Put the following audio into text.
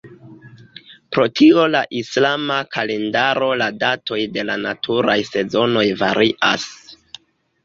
Pro tio la islama kalendaro la datoj de la naturaj sezonoj varias.